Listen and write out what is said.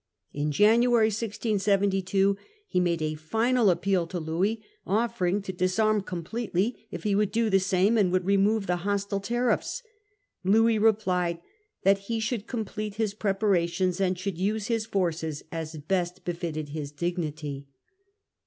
In January, 1672, he made a final appeal to Louis, offering to disarm completely if he would do the same, and would remove the hostile tariffs. Louis replied that he should complete his preparations and should use his forces as best befitted his dignity.